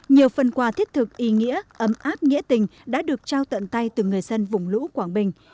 nhiều phần quà thiết thực ý nghĩa ấm áp nghĩa tình đã được trao tận tay từ người dân vùng lũ quảng bình